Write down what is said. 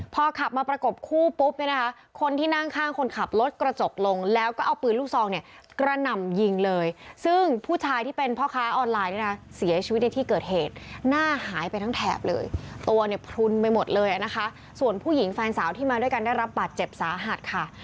พอขับมาประกบคู่ปุ๊บเนี่ยนะคะคนที่นั่งข้างคนขับรถกระจกลงแล้วก็เอาปืนลูกซองเนี่ยกระหน่ำยิงเลยซึ่งผู้ชายที่เป็นพ่อค้าออนไลน์เนี่ยนะเสียชีวิตในที่เกิดเหตุหน้าหายไปทั้งแถบเลยตัวเนี่ยพลุนไปหมดเลยนะคะส่วนผู้หญิงแฟนสาวที่มาด้วยกันได้รับบาดเจ็บสาหัสค่ะ